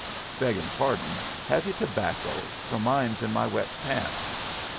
Beggin' pardon, hev you tobacco, for mine's in my wet pants?